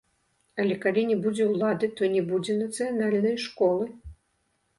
Але калі не будзе ўлады, то не будзе нацыянальнай школы.